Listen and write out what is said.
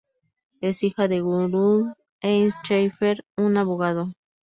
Es hija de Gudrun y Heinz Schiffer, un abogado.